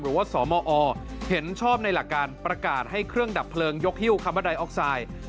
สมอเห็นชอบในหลักการประกาศให้เครื่องดับเพลิงยกฮิ้วคาร์บอไดออกไซด์